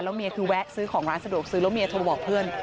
เมียคือแวะซื้อของร้านสะดวกซื้อแล้วเมียโทรบอกเพื่อน